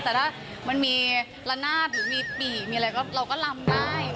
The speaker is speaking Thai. แต่ถ้ามันมีละนาดหรือมีปีกมีอะไรก็เราก็ลำได้